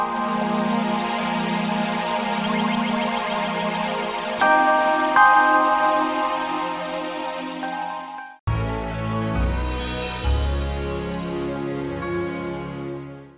terima kasih pak man